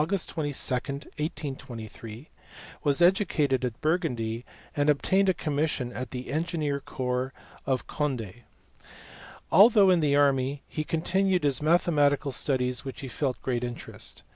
22, 1823, was educated at Burgundy, and obtained a commission in the engineer corps of Conde. Although in the army, he continued his mathematical studies in which he felt great interest.